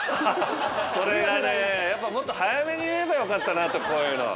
それがねやっぱもっと早めに言えばよかったなとこういうのは。